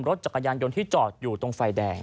รถจักรยานยนต์ที่จอดอยู่ตรงไฟแดง